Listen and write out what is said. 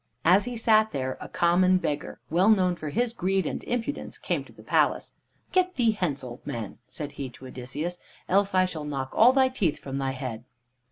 As he sat there, a common beggar, well known for his greed and impudence, came to the palace. "Get thee hence, old man," said he to Odysseus, "else I shall knock all thy teeth from thy head."